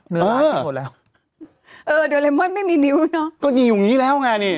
เนื้อร้ายนี่หมดแล้วเอ้อโดยเร็มว่าไม่มีนิ้วเนอะก็นีอยู่งี้แล้วอ่ะนี่